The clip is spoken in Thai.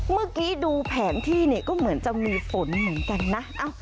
เมื่อกี้ดูแผนที่เนี่ยก็เหมือนจะมีฝนเหมือนกันนะ